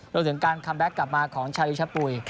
โดยถึงการคอมแบคกลับมาของชายริชปุย